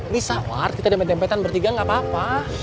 bisa ward kita demet dempetan bertiga gak apa apa